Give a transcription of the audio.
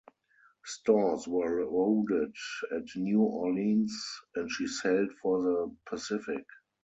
Stores were loaded at New Orleans and she sailed for the Pacific.